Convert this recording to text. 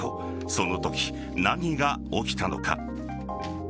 そのとき、何が起きたのか。